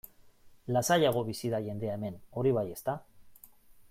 Lasaiago bizi da jendea hemen, hori bai, ezta?